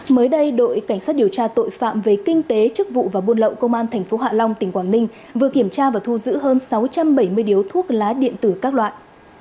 mới đây đội cảnh sát điều tra tội phạm về kinh tế chức vụ và buôn lậu công an tp hạ long tỉnh quảng ninh vừa kiểm tra và thu giữ hơn sáu trăm bảy mươi điếu thuốc lá điện tử các loại